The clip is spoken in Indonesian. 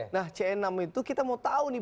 nah c enam itu kita mau tahu nih